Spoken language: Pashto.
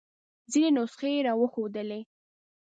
ځینې نسخې یې را وښودلې.